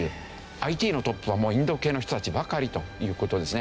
ＩＴのトップはもうインド系の人たちばかりという事ですね。